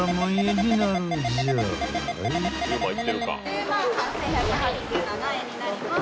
２０万８，１８７円になります。